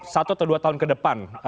satu atau dua tahun ke depan